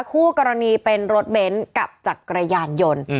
คู่กรณีเป็นรถเบนท์กับจักรยานยนต์